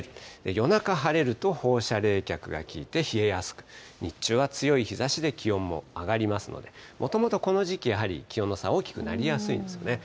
夜中、晴れると、放射冷却が効いて冷えやすく、強い日ざしで気温も上がりますので、もともとこの時期やはり気温の差、大きくなりやすいんですよね。